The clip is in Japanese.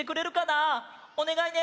おねがいね！